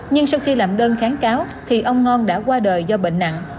nhưng sau khi làm đơn kháng cáo thì ông ngon đã qua đời do bệnh nặng